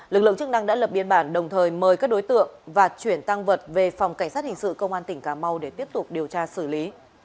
lực lượng chức năng đã lập biên bản đồng thời mời các đối tượng và chuyển tăng vật về phòng cảnh sát hình sự công an tỉnh cà mau để tiếp tục điều tra xử lý